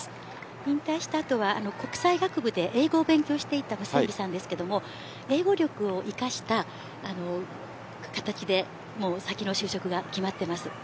引退した後は国際学部で英語を勉強していたムセンビさんですが英語力を生かした形で、もう先の就職が決まっています。